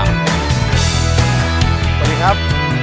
สวัสดีครับ